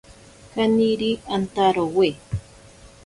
Kaniri antarowe.